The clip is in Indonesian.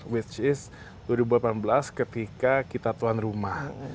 which is dua ribu delapan belas ketika kita tuan rumah